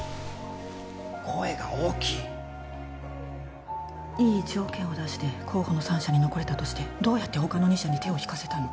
声が大きいいい条件を出して候補の３社に残れたとしてどうやって他の２社に手を引かせたの？